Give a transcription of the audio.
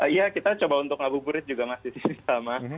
iya kita coba untuk ngabuburit juga masih sama